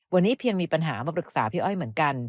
วันนี้เพียงมีปัญหามาปรึกษาพี่อ้อยเหมือนกัน